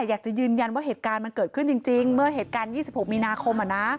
อยากจะยืนยันว่าเหตุการณ์มันเกิดขึ้นจริงเมื่อเหตุการณ์๒๖มีนาคม